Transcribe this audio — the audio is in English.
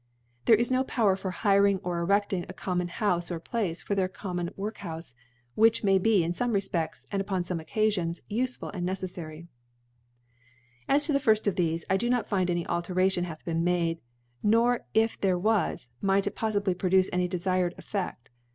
• There r^ no Power for hiring or creft ^* ing acoftinfiotiHoufe, or Place, for their * comtiionWorkhoufe; which maybe, irt * fonie Refpcfts, and upon fomc Occafions, * ufeful and neceflary/ « As to the fifrft of thefe, I do not find any Alteration hath been made, nor if there W^i, might it poflibly produce any defired EfiVft.